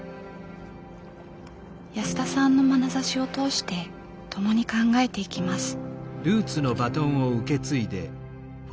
安田さんのまなざしを通して共に考えていきます。